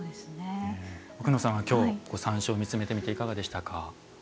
奥野さんは山椒を見つめてみていかがでしたか？